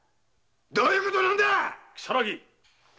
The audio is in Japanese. どういうことなんだ‼・如月！